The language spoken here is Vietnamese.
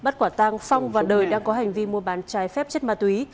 tàng phong và đời đang có hành vi mua bán trái phép chất ma túy